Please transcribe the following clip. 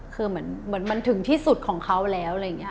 คือเหมือนมันถึงที่สุดของเขาแล้ว